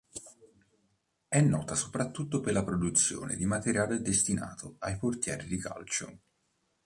È nota soprattutto per la produzione di materiale destinato ai portieri di calcio.